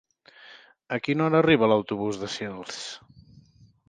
A quina hora arriba l'autobús de Sils?